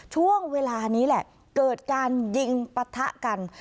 ช่วงเวลานี้แหละเกิดการยิงปะทะกัน